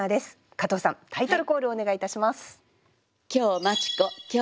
加藤さんタイトルコールをお願いいたします。